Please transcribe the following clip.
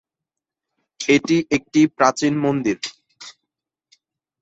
এটি একটি প্রাচীন মন্দির।